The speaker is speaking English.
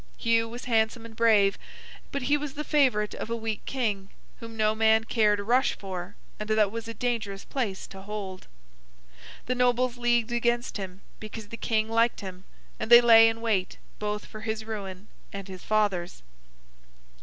Hugh was handsome and brave, but he was the favourite of a weak King, whom no man cared a rush for, and that was a dangerous place to hold. The Nobles leagued against him, because the King liked him; and they lay in wait, both for his ruin and his father's.